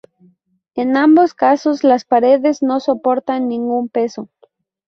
En ambos casos las paredes no soportan ningún peso.